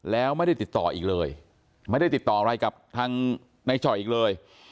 แล้วไม่ได้ติดต่ออีกเลยไม่ได้ติดต่ออะไรกับทางในจ่อยอีกเลย